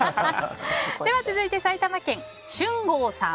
続いて埼玉県の方。